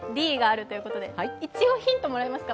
一応、ヒントもらいますか。